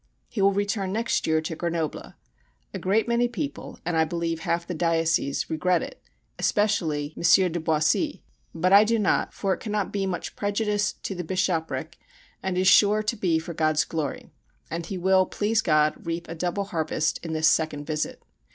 He will return next year to Grenoble. A great many people, and I believe half the diocese, regret it, especially M. de Boisy: but I do not, for it cannot be much prejudice to the bishopric, and is sure to be for God's glory, and he will, please God, reap a double harvest in this second visit.